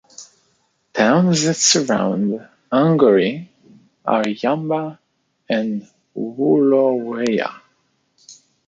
Towns that surround Angourie are Yamba and Wooloweyah.